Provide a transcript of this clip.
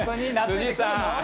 辻さん